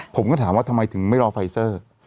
ผมก็ถามว่าทำไมถึงไม่รอไฟเซอร์